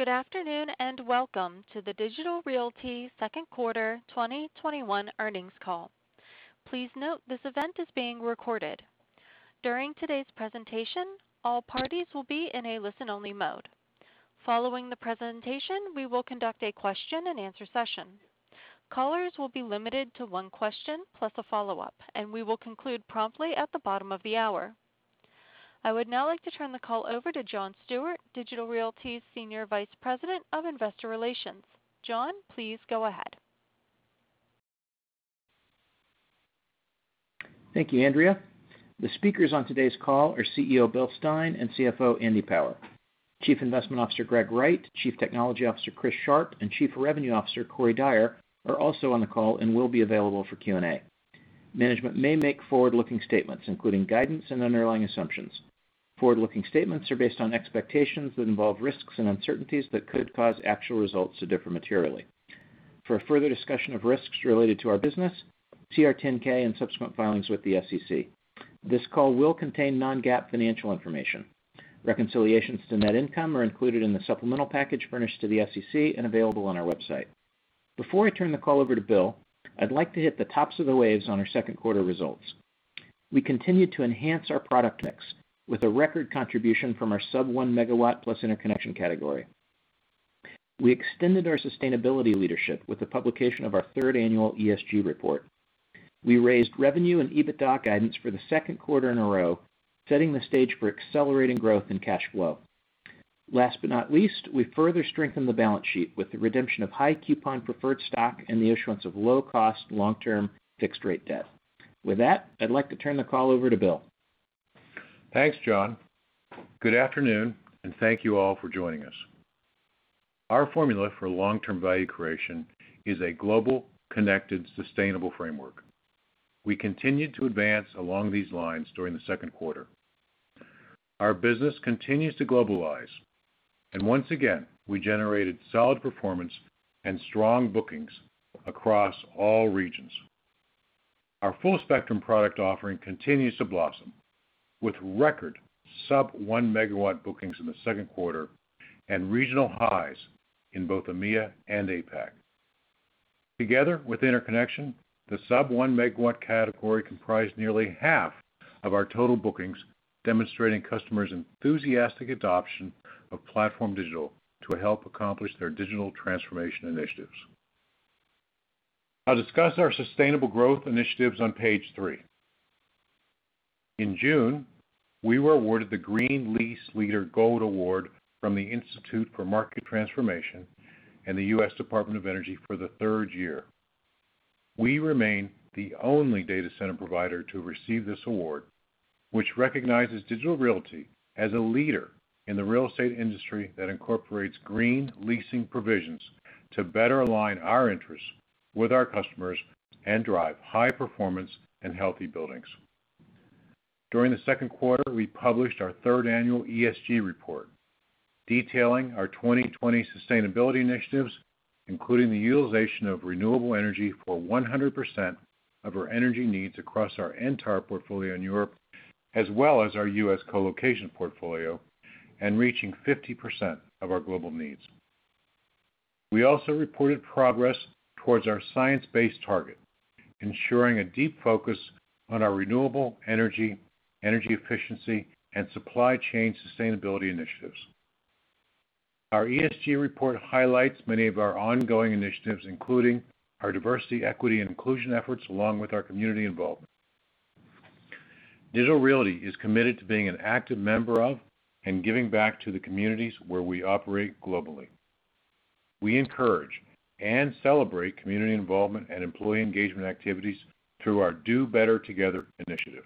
Good afternoon, and welcome to the Digital Realty second quarter 2021 earnings call. Please note this event is being recorded. During today's presentation, all parties will be in a listen-only mode. Following the presentation, we will conduct a question and answer session. Callers will be limited to one question plus a follow-up, and we will conclude promptly at the bottom of the hour. I would now like to turn the call over to John Stewart, Digital Realty's Senior Vice President of Investor Relations. John, please go ahead. Thank you, Andrea. The speakers on today's call are CEO Bill Stein and CFO Andy Power. Chief Investment Officer Greg Wright, Chief Technology Officer Chris Sharp, and Chief Revenue Officer Corey Dyer are also on the call and will be available for Q&A. Management may make forward-looking statements, including guidance and underlying assumptions. Forward-looking statements are based on expectations that involve risks and uncertainties that could cause actual results to differ materially. For a further discussion of risks related to our business, see our 10-K and subsequent filings with the SEC. This call will contain non-GAAP financial information. Reconciliations to net income are included in the supplemental package furnished to the SEC and available on our website. Before I turn the call over to Bill, I'd like to hit the tops of the waves on our second quarter results. We continued to enhance our product mix with a record contribution from our sub-1 megawatt plus interconnection category. We extended our sustainability leadership with the publication of our third annual ESG report. We raised revenue and EBITDA guidance for the second quarter in a row, setting the stage for accelerating growth and cash flow. Last but not least, we further strengthened the balance sheet with the redemption of high coupon preferred stock and the issuance of low cost, long term fixed rate debt. With that, I'd like to turn the call over to Bill. Thanks, John Stewart. Good afternoon and thank you all for joining us. Our formula for long-term value creation is a global, connected, sustainable framework. We continued to advance along these lines during the second quarter. Our business continues to globalize. Once again, we generated solid performance and strong bookings across all regions. Our full spectrum product offering continues to blossom, with record sub-1 megawatt bookings in the second quarter and regional highs in both EMEA and APAC. Together with interconnection, the sub-1 megawatt category comprised nearly half of our total bookings, demonstrating customers' enthusiastic adoption of PlatformDIGITAL to help accomplish their digital transformation initiatives. I'll discuss our sustainable growth initiatives on page 3. In June, we were awarded the Green Lease Leader Gold Award from the Institute for Market Transformation and the U.S. Department of Energy for the third year. We remain the only data center provider to receive this award, which recognizes Digital Realty as a leader in the real estate industry that incorporates green leasing provisions to better align our interests with our customers and drive high performance and healthy buildings. During the second quarter, we published our third annual ESG report detailing our 2020 sustainability initiatives, including the utilization of renewable energy for 100% of our energy needs across our entire portfolio in Europe, as well as our U.S. colocation portfolio, and reaching 50% of our global needs. We also reported progress towards our science-based target, ensuring a deep focus on our renewable energy efficiency, and supply chain sustainability initiatives. Our ESG report highlights many of our ongoing initiatives, including our diversity, equity, and inclusion efforts along with our community involvement. Digital Realty is committed to being an active member of and giving back to the communities where we operate globally. We encourage and celebrate community involvement and employee engagement activities through our Do Better Together initiative.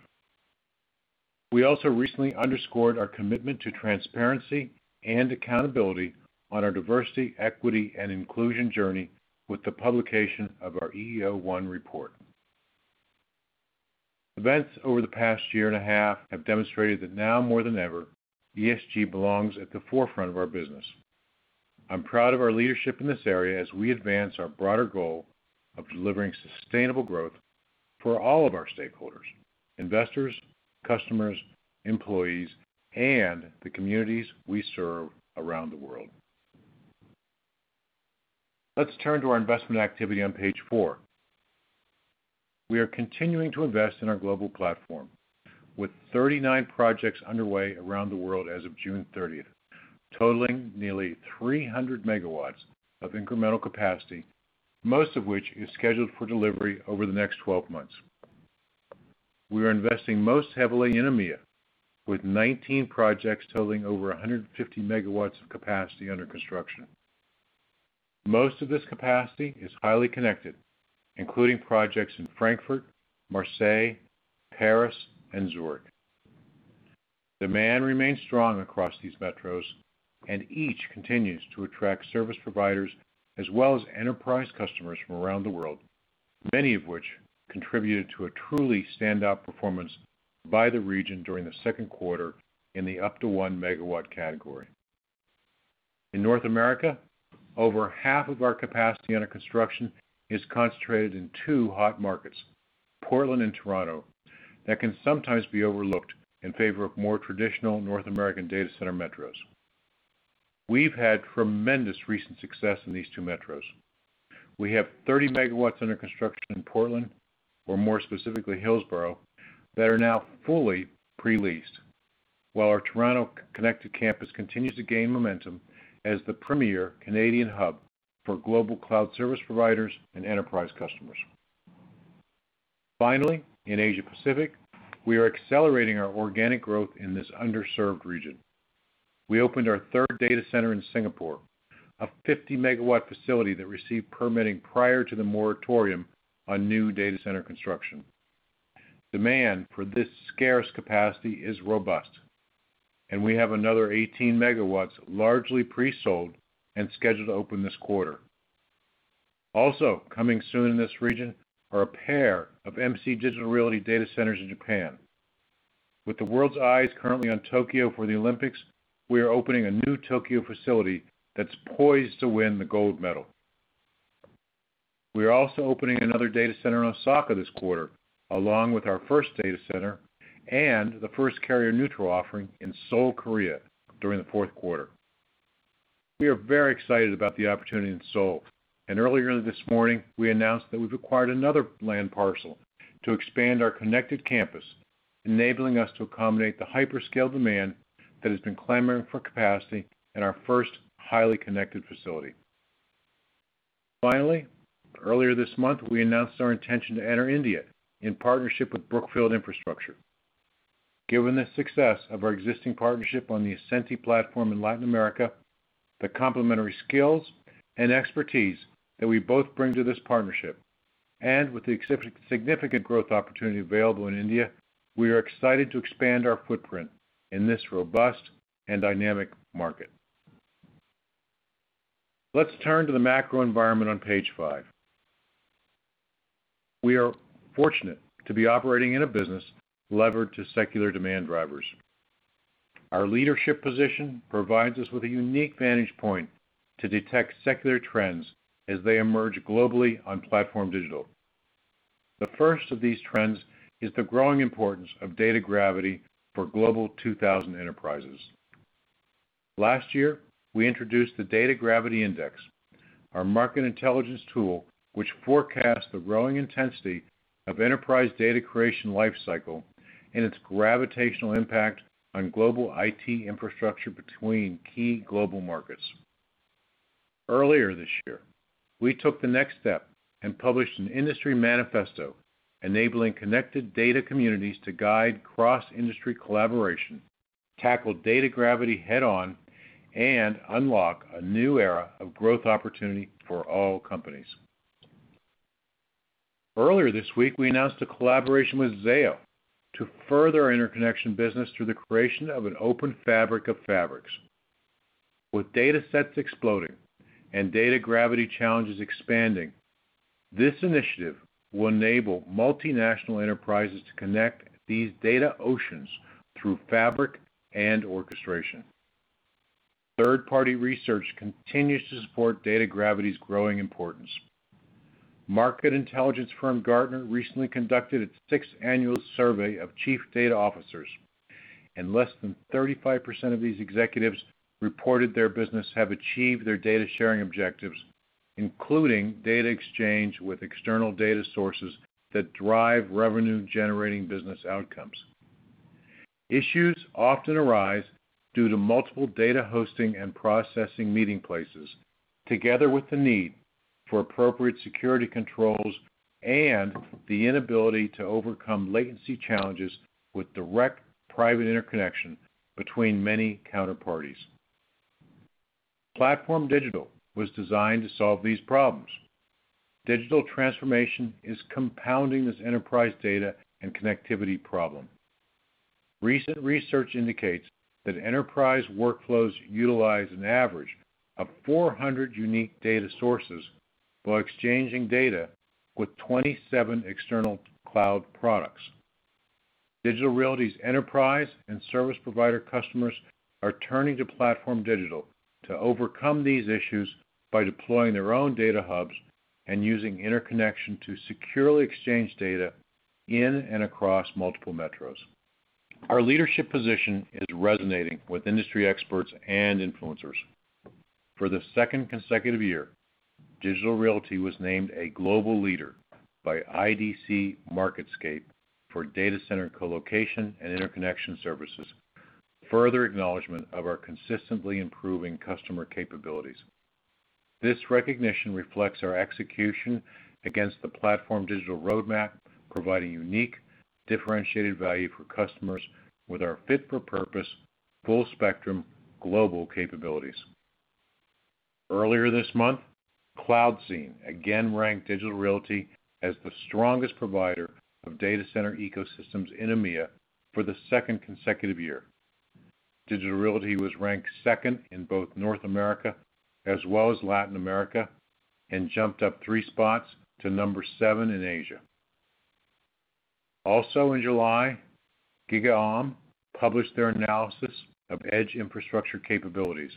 We also recently underscored our commitment to transparency and accountability on our diversity, equity, and inclusion journey with the publication of our EEO-1 report. Events over the past year and a half have demonstrated that now more than ever, ESG belongs at the forefront of our business. I'm proud of our leadership in this area as we advance our broader goal of delivering sustainable growth for all of our stakeholders, investors, customers, employees, and the communities we serve around the world. Let's turn to our investment activity on page four. We are continuing to invest in our global platform with 39 projects underway around the world as of June 30th, totaling nearly 300 megawatts of incremental capacity, most of which is scheduled for delivery over the next 12-months. We are investing most heavily in EMEA, with 19 projects totaling over 150 megawatts of capacity under construction. Most of this capacity is highly connected, including projects in Frankfurt, Marseille, Paris, and Zurich. Demand remains strong across these metros, and each continues to attract service providers as well as enterprise customers from around the world, many of which contributed to a truly standout performance by the region during the second quarter in the up to 1 megawatt category. In North America, over half of our capacity under construction is concentrated in two hot markets. Portland and Toronto that can sometimes be overlooked in favor of more traditional North American data center metros. We've had tremendous recent success in these two metros. We have 30 megawatts under construction in Portland, or more specifically Hillsboro, that are now fully pre-leased, while our Toronto connected campus continues to gain momentum as the premier Canadian hub for global cloud service providers and enterprise customers. Finally, in Asia Pacific, we are accelerating our organic growth in this underserved region. We opened our third data center in Singapore, a 50-megawatt facility that received permitting prior to the moratorium on new data center construction. Demand for this scarce capacity is robust. We have another 18 megawatts largely pre-sold and scheduled to open this quarter. Also coming soon in this region are a pair of MC Digital Realty data centers in Japan. With the world's eyes currently on Tokyo for the Olympics, we are opening a new Tokyo facility that's poised to win the gold medal. We are also opening another data center in Osaka this quarter, along with our first data center and the first carrier-neutral offering in Seoul, Korea during the fourth quarter. We are very excited about the opportunity in Seoul, and earlier this morning we announced that we've acquired another land parcel to expand our connected campus, enabling us to accommodate the hyperscale demand that has been clamoring for capacity in our first highly connected facility. Earlier this month, we announced our intention to enter India in partnership with Brookfield Infrastructure. Given the success of our existing partnership on the Ascenty platform in Latin America, the complementary skills and expertise that we both bring to this partnership, and with the significant growth opportunity available in India, we are excited to expand our footprint in this robust and dynamic market. Let's turn to the macro environment on page 5. We are fortunate to be operating in a business levered to secular demand drivers. Our leadership position provides us with a unique vantage point to detect secular trends as they emerge globally on PlatformDIGITAL. The first of these trends is the growing importance of data gravity for Global 2000 enterprises. Last year, we introduced the Data Gravity Index, our market intelligence tool, which forecasts the growing intensity of enterprise data creation life cycle and its gravitational impact on global IT infrastructure between key global markets. Earlier this year, we took the next step and published an industry manifesto enabling connected data communities to guide cross-industry collaboration, tackle data gravity head on, and unlock a new era of growth opportunity for all companies. Earlier this week, we announced a collaboration with Zayo to further our interconnection business through the creation of an open fabric-of-fabrics. With Data Gravity challenges expanding, this initiative will enable multinational enterprises to connect these data oceans through fabric and orchestration. Third-party research continues to support Data Gravity's growing importance. Market intelligence firm Gartner recently conducted its sixth annual survey of chief data officers, Less than 35% of these executives reported their business have achieved their data sharing objectives, including data exchange with external data sources that drive revenue-generating business outcomes. Issues often arise due to multiple data hosting and processing meeting places, together with the need for appropriate security controls and the inability to overcome latency challenges with direct private interconnection between many counterparties. PlatformDIGITAL was designed to solve these problems. Digital transformation is compounding this enterprise data and connectivity problem. Recent research indicates that enterprise workflows utilize an average of 400 unique data sources while exchanging data with 27 external cloud products. Digital Realty's enterprise and service provider customers are turning to PlatformDIGITAL to overcome these issues by deploying their own data hubs and using interconnection to securely exchange data in and across multiple metros. Our leadership position is resonating with industry experts and influencers. For the second consecutive year, Digital Realty was named a global leader by IDC MarketScape for data center colocation and interconnection services, further acknowledgment of our consistently improving customer capabilities. This recognition reflects our execution against the PlatformDIGITAL roadmap, providing unique, differentiated value for customers with our fit-for-purpose, full spectrum global capabilities. Earlier this month, Cloudscene again ranked Digital Realty as the strongest provider of data center ecosystems in EMEA for the second consecutive year. Digital Realty was ranked second in both North America as well as Latin America, and jumped up three spots to number seven in Asia. Also in July, GigaOm published their analysis of edge infrastructure capabilities.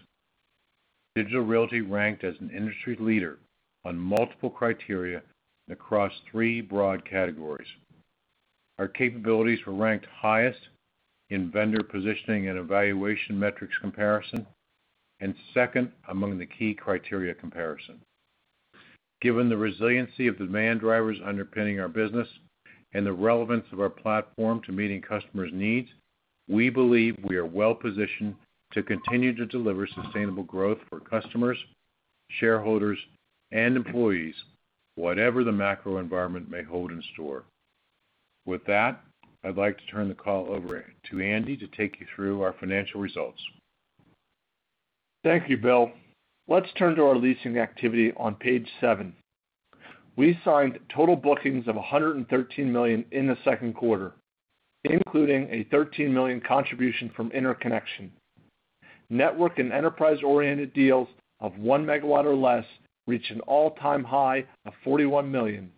Digital Realty ranked as an industry leader on multiple criteria across three broad categories. Our capabilities were ranked highest in vendor positioning and evaluation metrics comparison, and second among the key criteria comparison. Given the resiliency of demand drivers underpinning our business and the relevance of our platform to meeting customers' needs, we believe we are well-positioned to continue to deliver sustainable growth for customers, shareholders, and employees, whatever the macro environment may hold in store. With that, I'd like to turn the call over to Andrew Power to take you through our financial results. Thank you, Bill. Let's turn to our leasing activity on page 7. We signed total bookings of $113 million in the second quarter, including a $13 million contribution from interconnection. Network and enterprise-oriented deals of 1 MW or less reached an all-time high of $41 million,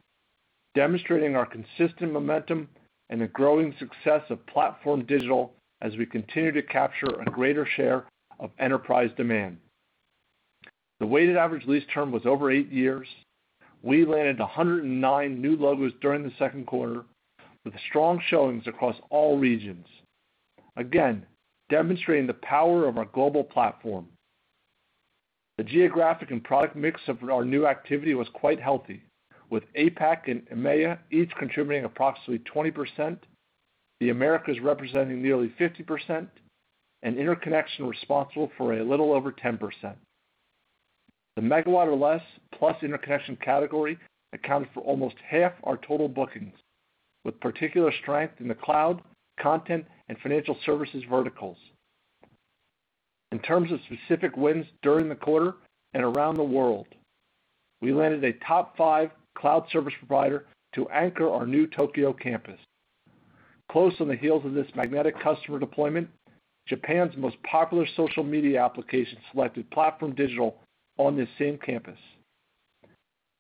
demonstrating our consistent momentum and the growing success of PlatformDIGITAL as we continue to capture a greater share of enterprise demand. The weighted average lease term was over eight years. We landed 109 new logos during the second quarter, with strong showings across all regions, again demonstrating the power of our global platform. The geographic and product mix of our new activity was quite healthy, with APAC and EMEA each contributing approximately 20%, the Americas representing nearly 50%, and interconnection responsible for a little over 10%. The megawatt or less plus interconnection category accounted for almost half our total bookings, with particular strength in the cloud, content, and financial services verticals. In terms of specific wins during the quarter and around the world, we landed a top five cloud service provider to anchor our new Tokyo campus. Close on the heels of this magnetic customer deployment, Japan's most popular social media application selected PlatformDIGITAL on the same campus.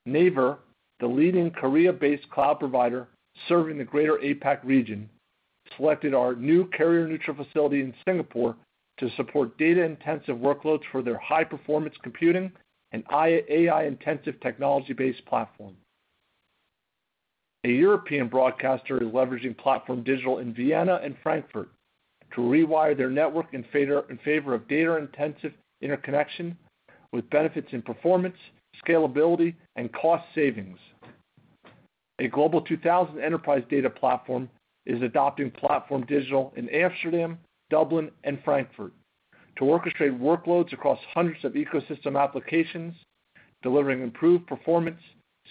Naver, the leading Korea-based cloud provider serving the greater APAC region, selected our new carrier-neutral facility in Singapore to support data-intensive workloads for their high-performance computing and AI-intensive technology-based platform. A European broadcaster is leveraging PlatformDIGITAL in Vienna and Frankfurt to rewire their network in favor of data-intensive interconnection with benefits in performance, scalability, and cost savings. A Global 2000 enterprise data platform is adopting PlatformDIGITAL in Amsterdam, Dublin, and Frankfurt to orchestrate workloads across hundreds of ecosystem applications, delivering improved performance,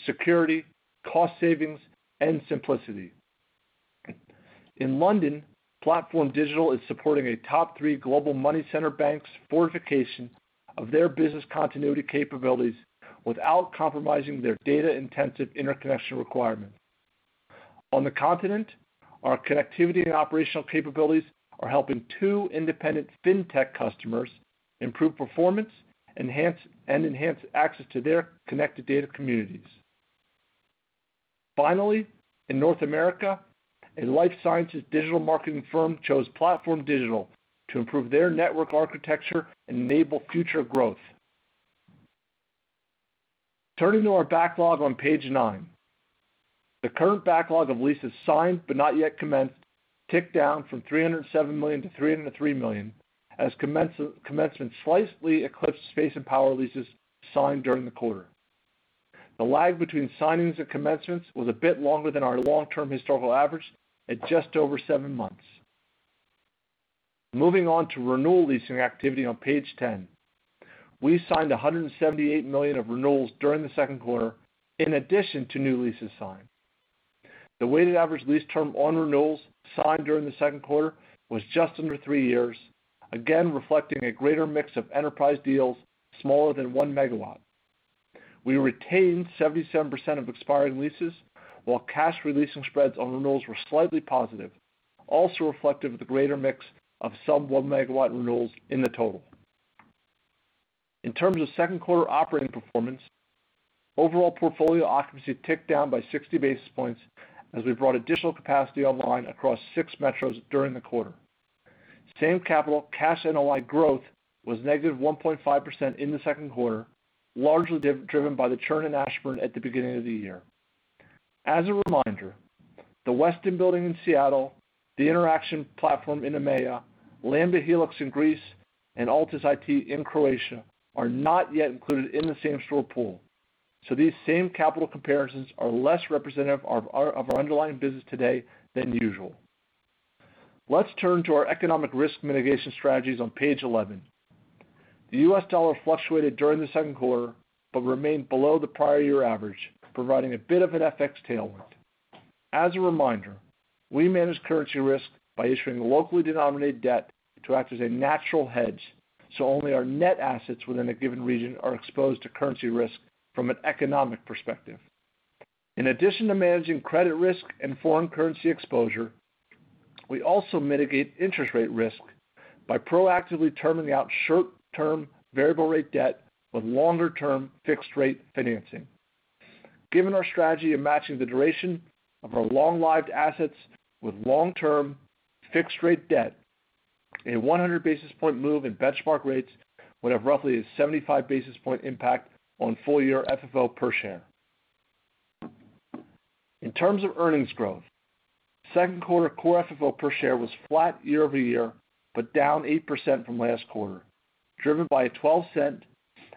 security, cost savings, and simplicity. In London, PlatformDIGITAL is supporting a top three global money center bank's fortification of their business continuity capabilities without compromising their data-intensive interconnection requirement. On the continent, our connectivity and operational capabilities are helping two independent fintech customers improve performance and enhance access to their connected data communities. Finally, in North America, a life sciences digital marketing firm chose PlatformDIGITAL to improve their network architecture and enable future growth. Turning to our backlog on page 9. The current backlog of leases signed but not yet commenced ticked down from $307 million-$303 million, as commencements slightly eclipsed space and power leases signed during the quarter. The lag between signings and commencements was a bit longer than our long-term historical average, at just over seven months. Moving on to renewal leasing activity on page 10. We signed $178 million of renewals during the second quarter, in addition to new leases signed. The weighted average lease term on renewals signed during the second quarter was just under three years, again reflecting a greater mix of enterprise deals smaller than 1 megawatt. We retained 77% of expiring leases, while cash releasing spreads on renewals were slightly positive, also reflective of the greater mix of sub 1 megawatt renewals in the total. In terms of second quarter operating performance, overall portfolio occupancy ticked down by 60 basis points as we brought additional capacity online across 6 metros during the quarter. Same capital cash NOI growth was -1.5% in the second quarter, largely driven by the churn in Ashburn at the beginning of the year. As a reminder, the Westin Building Exchange in Seattle, the Interxion platform in EMEA, Lamda Hellix in Greece, and Altus IT in Croatia are not yet included in the same store pool. These same capital comparisons are less representative of our underlying business today than usual. Let's turn to our economic risk mitigation strategies on page 11. The US dollar fluctuated during the second quarter but remained below the prior year average, providing a bit of an FX tailwind. As a reminder, we manage currency risk by issuing locally denominated debt to act as a natural hedge, so only our net assets within a given region are exposed to currency risk from an economic perspective. In addition to managing credit risk and foreign currency exposure, we also mitigate interest rate risk by proactively terming out short-term variable rate debt with longer term fixed rate financing. Given our strategy of matching the duration of our long-lived assets with long-term fixed rate debt, a 100 basis points move in benchmark rates would have roughly a 75 basis points impact on full year FFO per share. In terms of earnings growth, second quarter Core FFO per share was flat year-over-year, but down 8% from last quarter, driven by a $0.12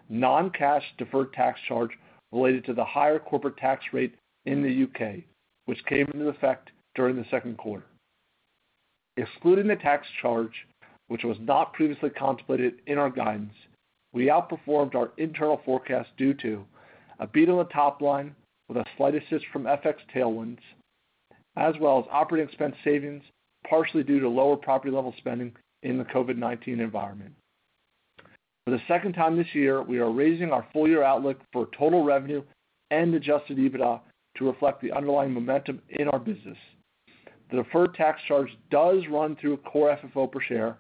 non-cash deferred tax charge related to the higher corporate tax rate in the U.K., which came into effect during the second quarter. Excluding the tax charge, which was not previously contemplated in our guidance, we outperformed our internal forecast due to a beat on the top line with a slight assist from FX tailwinds, as well as operating expense savings, partially due to lower property level spending in the COVID-19 environment. For the second time this year, we are raising our full year outlook for total revenue and adjusted EBITDA to reflect the underlying momentum in our business. The deferred tax charge does run through Core FFO per share,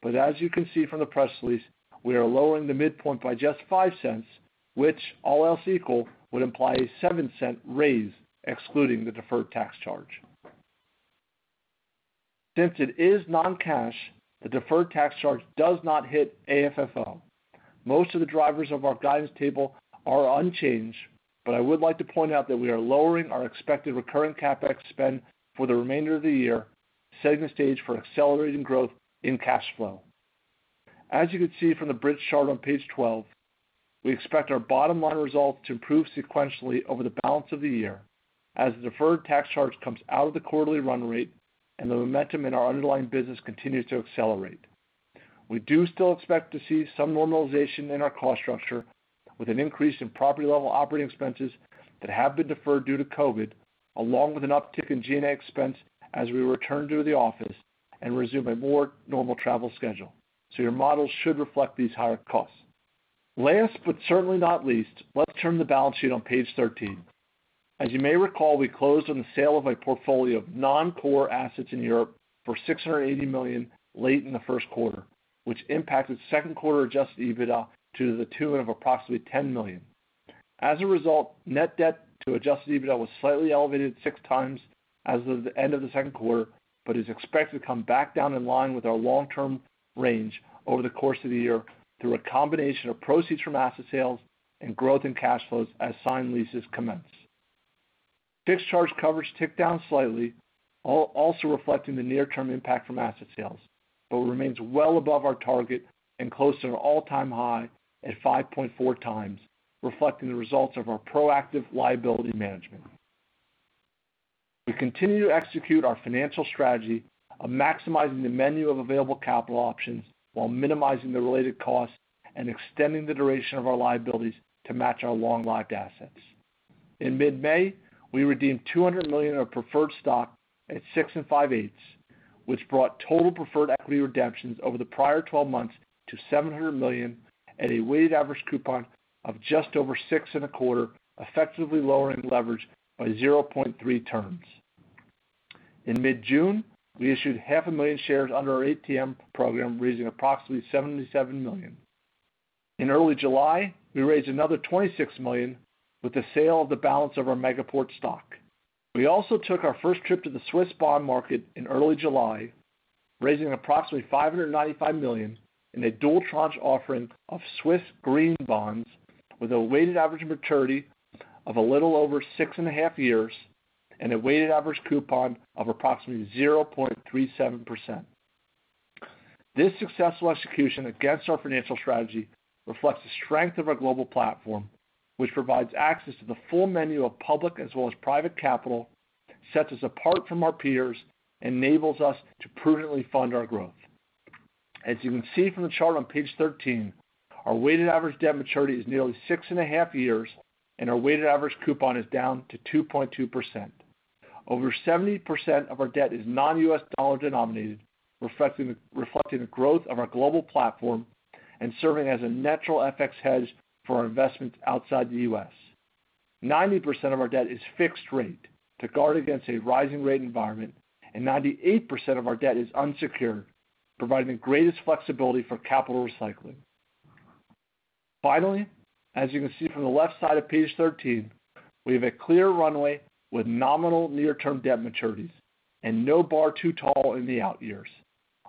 but as you can see from the press release, we are lowering the midpoint by just $0.05, which all else equal, would imply a $0.07 raise excluding the deferred tax charge. Since it is non-cash, the deferred tax charge does not hit AFFO. Most of the drivers of our guidance table are unchanged, but I would like to point out that we are lowering our expected recurring CapEx spend for the remainder of the year, setting the stage for accelerating growth in cash flow. As you can see from the bridge chart on page 12, we expect our bottom line results to improve sequentially over the balance of the year as the deferred tax charge comes out of the quarterly run rate and the momentum in our underlying business continues to accelerate. We do still expect to see some normalization in our cost structure with an increase in property level operating expenses that have been deferred due to COVID-19, along with an uptick in G&A expense as we return to the office and resume a more normal travel schedule. Your models should reflect these higher costs. Last but certainly not least, let's turn to the balance sheet on page 13. As you may recall, we closed on the sale of a portfolio of non-core assets in Europe for $680 million late in the first quarter, which impacted second quarter adjusted EBITDA to the tune of approximately $10 million. As a result, net debt to adjusted EBITDA was slightly elevated 6 times as of the end of the second quarter, but is expected to come back down in line with our long-term range over the course of the year through a combination of proceeds from asset sales and growth in cash flows as signed leases commence. Fixed charge coverage ticked down slightly, also reflecting the near-term impact from asset sales, but remains well above our target and close to an all-time high at 5.4 times, reflecting the results of our proactive liability management. We continue to execute our financial strategy of maximizing the menu of available capital options while minimizing the related costs and extending the duration of our liabilities to match our long-lived assets. In mid-May, we redeemed $200 million of preferred stock at six and 5/8%, which brought total preferred equity redemptions over the prior 12-months to $700 million at a weighted average coupon of just over six and 1/4%, effectively lowering leverage by 0.3 turns. In mid-June, we issued 500,000 shares under our ATM program, raising approximately $77 million. In early July, we raised another $26 million with the sale of the balance of our Megaport stock. We also took our first trip to the Swiss bond market in early July, raising approximately 595 million in a dual tranche offering of Swiss green bonds with a weighted average maturity of a little over 6.5-years and a weighted average coupon of approximately 0.37%. This successful execution against our financial strategy reflects the strength of our global platform, which provides access to the full menu of public as well as private capital, sets us apart from our peers, and enables us to prudently fund our growth. As you can see from the chart on page 13, our weighted average debt maturity is nearly 6.5-years, and our weighted average coupon is down to 2.2%. Over 70% of our debt is non-US dollar denominated, reflecting the growth of our global platform and serving as a natural FX hedge for our investments outside the U.S. 90% of our debt is fixed rate to guard against a rising rate environment, and 98% of our debt is unsecured, providing the greatest flexibility for capital recycling. Finally, as you can see from the left side of page 13, we have a clear runway with nominal near term debt maturities and no bar too tall in the out years.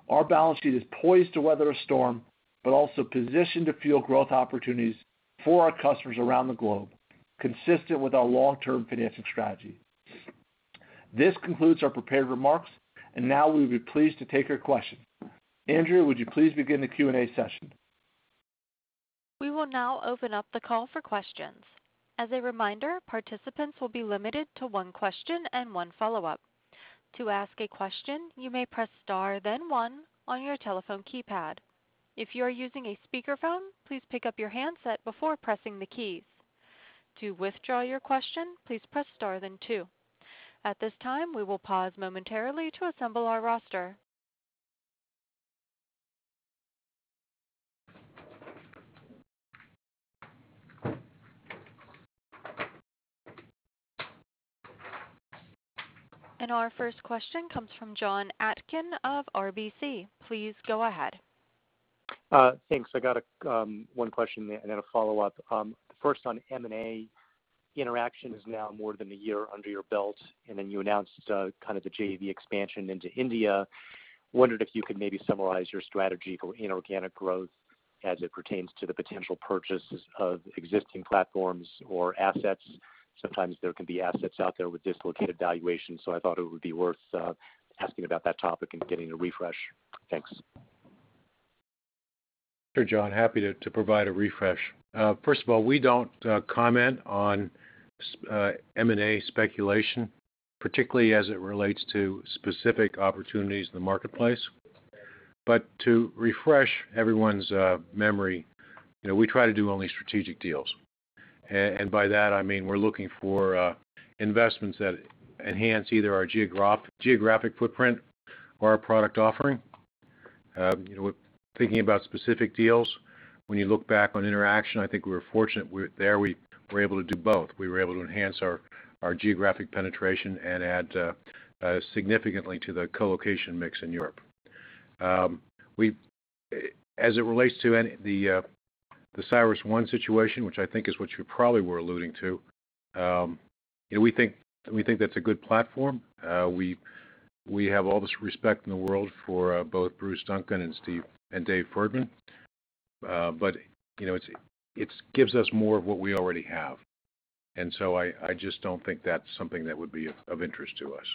Our balance sheet is poised to weather a storm, but also positioned to fuel growth opportunities for our customers around the globe, consistent with our long term financing strategy. This concludes our prepared remarks, and now we would be pleased to take your questions. Andrea, would you please begin the Q&A session? We will now open up the call for questions. As a reminder, participants will be limited to one question and one follow-up. To ask a question, you may press star then one on your telephone keypad. If you are using a speakerphone, please pick up your handset before pressing the keys. To withdraw your question, please press star then two. At this time, we will pause momentarily to assemble our roster. Our first question comes from Jonathan Atkin of RBC. Please go ahead. Thanks. I got one question and then a follow-up. First, on M&A. Interxion is now more than one year under your belt, and then you announced kind of the JV expansion into India. I wondered if you could maybe summarize your strategy for inorganic growth as it pertains to the potential purchases of existing platforms or assets. Sometimes there can be assets out there with dislocated valuations, so I thought it would be worth asking about that topic and getting a refresh. Thanks. Sure, John. Happy to provide a refresh. First of all, we don't comment on M&A speculation, particularly as it relates to specific opportunities in the marketplace. To refresh everyone's memory, we try to do only strategic deals. By that, I mean we're looking for investments that enhance either our geographic footprint or our product offering. Thinking about specific deals, when you look back on Interxion, I think we were fortunate there we were able to do both. We were able to enhance our geographic penetration and add significantly to the co-location mix in Europe. As it relates to the CyrusOne situation, which I think is what you probably were alluding to, we think that's a good platform. We have all this respect in the world for both Bruce Duncan and David Ferdman. It gives us more of what we already have, and so I just don't think that's something that would be of interest to us.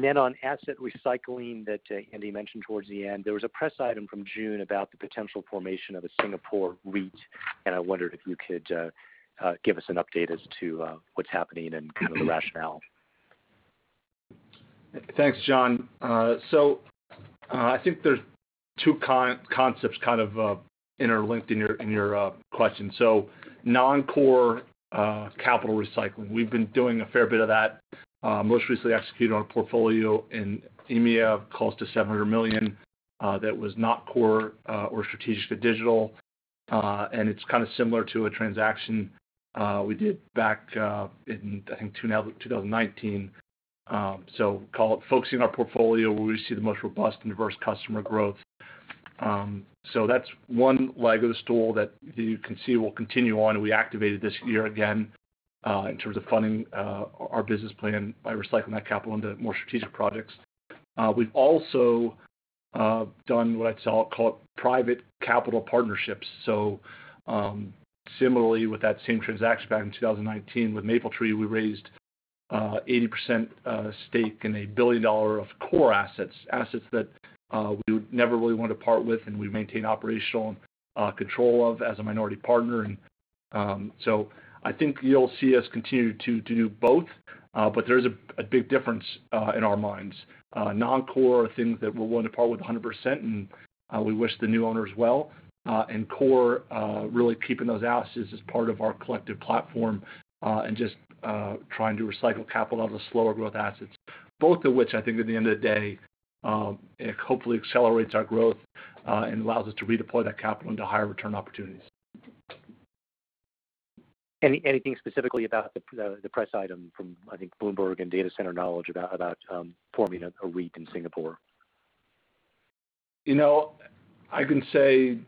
Then on asset recycling that Andy mentioned towards the end, there was a press item from June about the potential formation of a Singapore REIT, and I wondered if you could give us an update as to what's happening and kind of the rationale. Thanks, John. I think there's two concepts kind of interlinked in your question. Non-core capital recycling. We've been doing a fair bit of that. Most recently executed on a portfolio in EMEA of close to $700 million that was not core or strategic to Digital Realty. It's kind of similar to a transaction we did back in, I think, 2019. Call it focusing our portfolio where we see the most robust and diverse customer growth. That's one leg of the stool that you can see will continue on. We activated this year again in terms of funding our business plan by recycling that capital into more strategic projects. We've also done what I call private capital partnerships. Similarly with that same transaction back in 2019 with Mapletree, we raised 80% stake and $1 billion of core assets. Assets that we would never really want to part with and we maintain operational control of as a minority partner. I think you'll see us continue to do both, but there's a big difference in our minds. Non-core are things that we're willing to part with 100%, and we wish the new owners well. Core, really keeping those assets as part of our collective platform, and just trying to recycle capital out of the slower growth assets. Both of which I think at the end of the day, hopefully accelerates our growth and allows us to redeploy that capital into higher return opportunities. Anything specifically about the press item from, I think Bloomberg and Data Center Knowledge, about forming a REIT in Singapore? I can say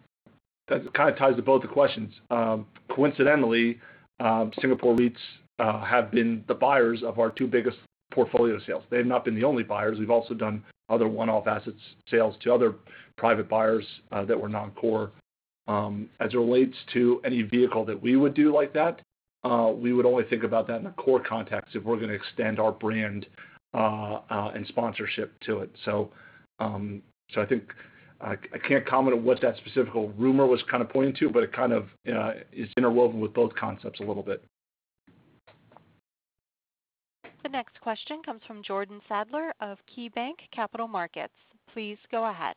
that kind of ties to both the questions. Coincidentally, Singapore REITs have been the buyers of our two biggest portfolio sales. They have not been the only buyers. We've also done other one-off asset sales to other private buyers that were non-core. As it relates to any vehicle that we would do like that, we would only think about that in a core context if we're going to extend our brand and sponsorship to it. I think I can't comment on what that specific rumor was kind of pointing to, but it kind of is interwoven with both concepts a little bit. The next question comes from Jordan Sadler of KeyBanc Capital Markets. Please go ahead.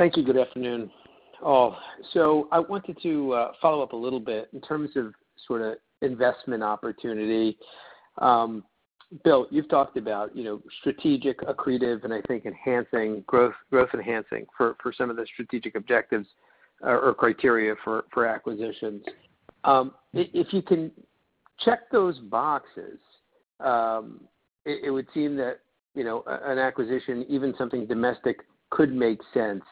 Thank you. Good afternoon, all. I wanted to follow up a little bit in terms of sort of investment opportunity. Bill, you've talked about strategic, accretive, and I think growth enhancing for some of the strategic objectives or criteria for acquisitions. If you can check those boxes, it would seem that an acquisition, even something domestic, could make sense.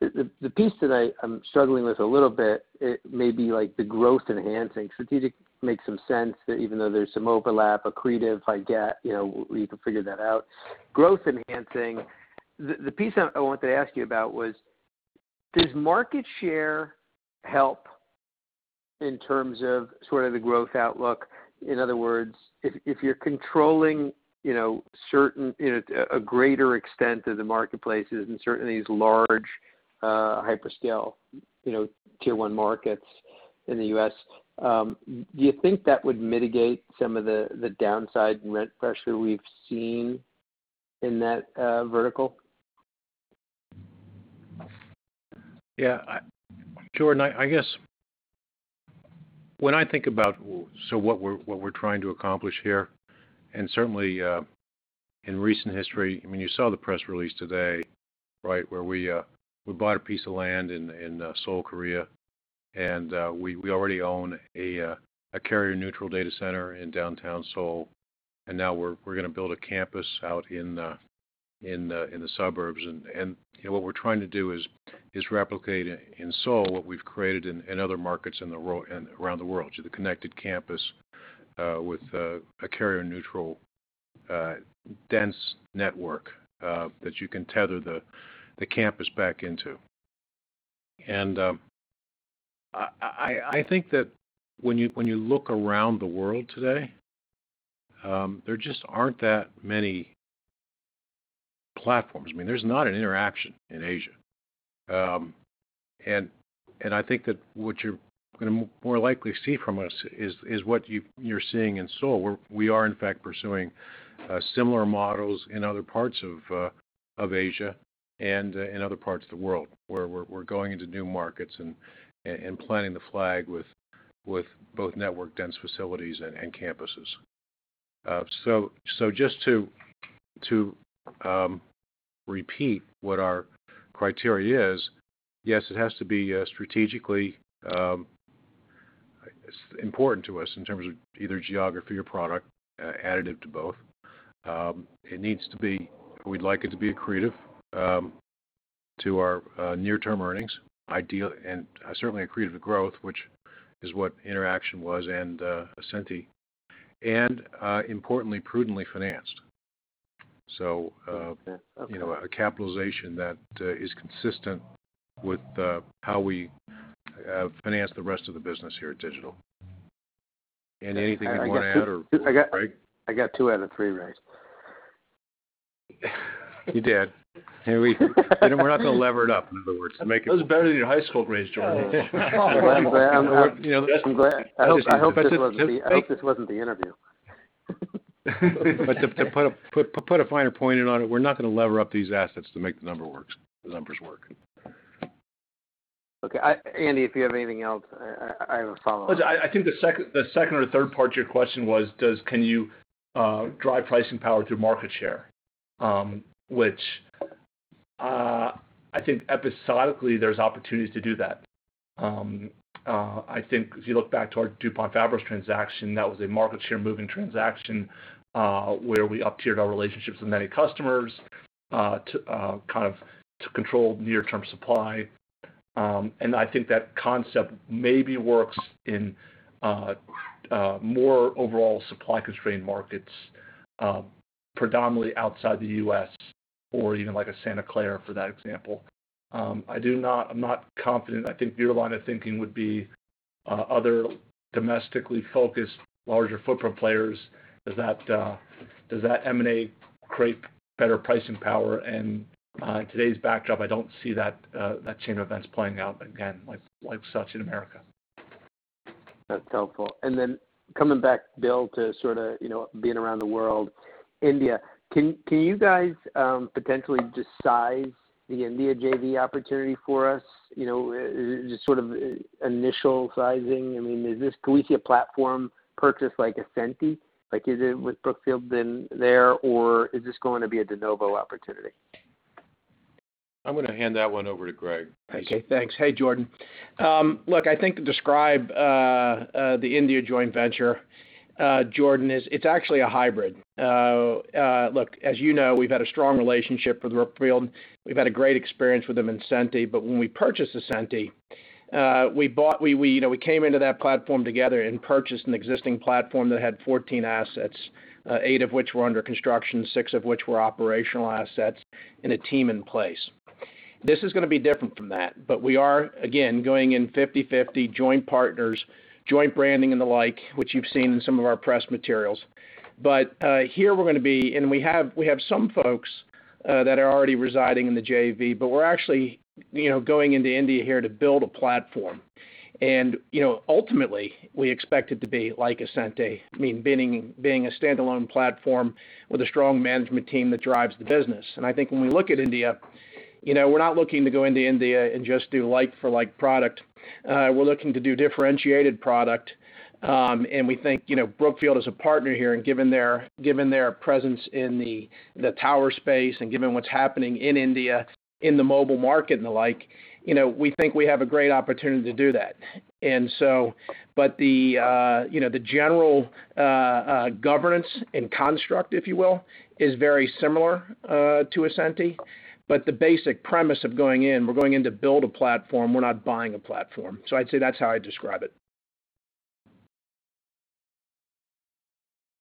The piece that I'm struggling with a little bit, it may be like the growth enhancing. Strategic makes some sense that even though there's some overlap. Accretive, I get. We can figure that out. Growth enhancing, the piece I wanted to ask you about was, does market share help in terms of sort of the growth outlook? In other words, if you're controlling a greater extent of the marketplaces and certainly these large hyperscale tier one markets in the U.S., do you think that would mitigate some of the downside and rent pressure we've seen in that vertical? Yeah. Jordan, I guess when I think about what we're trying to accomplish here, certainly in recent history, you saw the press release today, where we bought a piece of land in Seoul, Korea, and we already own a carrier-neutral data center in downtown Seoul, and now we're going to build a campus out in the suburbs. What we're trying to do is replicate in Seoul what we've created in other markets around the world. The connected campus with a carrier-neutral dense network that you can tether the campus back into. I think that when you look around the world today, there just aren't that many platforms. There's not an Interxion in Asia. I think that what you're going to more likely see from us is what you're seeing in Seoul, where we are in fact pursuing similar models in other parts of Asia and in other parts of the world, where we're going into new markets and planting the flag with both network dense facilities and campuses. Just to repeat what our criteria is, yes, it has to be strategically important to us in terms of either geography or product, additive to both. We'd like it to be accretive to our near-term earnings, and certainly accretive to growth, which is what Interxion was and Ascenty. Importantly, prudently financed. A capitalization that is consistent with how we finance the rest of the business here at Digital. Anything you want to add, Greg? I got two out of three right. You did. We're not going to lever it up, in other words. That was better than your high school grades, Jordan. I'm glad. I hope this wasn't the interview. To put a finer point in on it, we're not going to lever up these assets to make the numbers work. Okay. Andy, if you have anything else, I have a follow-on. I think the second or third part to your question was, can you drive pricing power through market share? Which I think episodically, there's opportunities to do that. I think if you look back to our DuPont Fabros transaction, that was a market share moving transaction, where we uptiered our relationships with many customers to control near-term supply. I think that concept maybe works in more overall supply-constrained markets, predominantly outside the U.S. or even like a Santa Clara, for that example. I'm not confident. I think your line of thinking would be other domestically focused, larger footprint players. Does that emanate, create better pricing power? In today's backdrop, I don't see that chain of events playing out again like such in America. That's helpful. Coming back, Bill, to being around the world. India. Can you guys potentially just size the India JV opportunity for us? Just initial sizing. Can we see a platform purchase like Ascenty? Is it with Brookfield there, or is this going to be a de novo opportunity? I'm going to hand that one over to Greg. Okay. Thanks. Hey, Jordan. Look, I think to describe the India joint venture, Jordan, is it's actually a hybrid. Look, as you know, we've had a strong relationship with Brookfield. We've had a great experience with them in Ascenty. When we purchased Ascenty, we came into that platform together and purchased an existing platform that had 14 assets, eight of which were under construction, six of which were operational assets, and a team in place. This is going to be different from that. We are, again, going in 50/50 joint partners, joint branding and the like, which you've seen in some of our press materials. Here and we have some folks that are already residing in the JV, but we're actually going into India here to build a platform. Ultimately, we expect it to be like Ascenty. Being a standalone platform with a strong management team that drives the business. I think when we look at India, we're not looking to go into India and just do like for like product. We're looking to do differentiated product. We think Brookfield is a partner here, and given their presence in the tower space and given what's happening in India in the mobile market and the like, we think we have a great opportunity to do that. The general governance and construct, if you will, is very similar to Ascenty. The basic premise of going in, we're going in to build a platform, we're not buying a platform. I'd say that's how I'd describe it.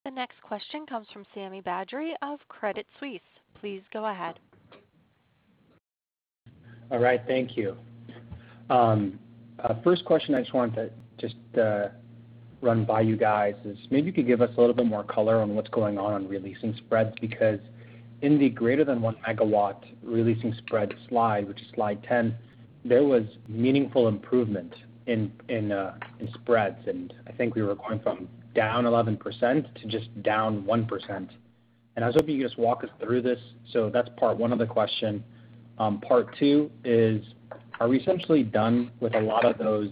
The next question comes from Sami Badri of Credit Suisse. Please go ahead. All right. Thank you. First question I just wanted to just run by you guys is, maybe you could give us a little bit more color on what's going on releasing spreads, because in the greater than 1 megawatt releasing spread slide, which is slide 10, there was meaningful improvement in spreads, and I think we were going from down 11% to just down 1%. I was hoping you could just walk us through this. That's part one of the question. Part two is, are we essentially done with a lot of those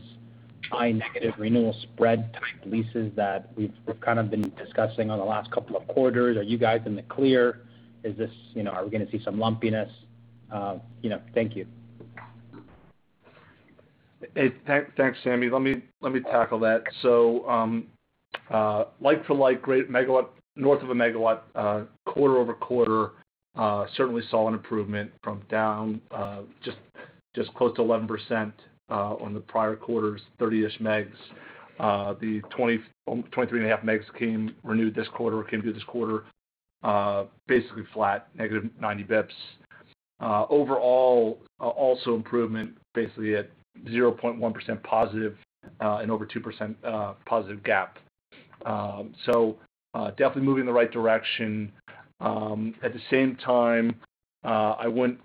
high negative renewal spread type leases that we've kind of been discussing on the last couple of quarters. Are you guys in the clear? Are we going to see some lumpiness? Thank you. Thanks, Sami. Like for like, north of 1 megawatt quarter-over-quarter certainly saw an improvement from down just close to 11% on the prior quarter's 30-ish megs. The 23.5 megs renewed this quarter, came through this quarter, basically flat, negative 90 basis points. Overall, also improvement basically at 0.1% positive and over 2% positive gap. Definitely moving in the right direction. At the same time, I wouldn't